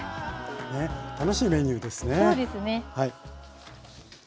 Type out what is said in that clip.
楽しいメニューですね。